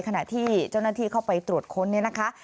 ขณะที่เจ้าหน้าที่เข้าไปตรวจค้นเนี่ยนะคะ